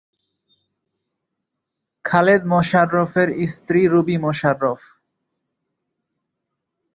খালেদ মোশাররফের স্ত্রী রুবি মোশাররফ।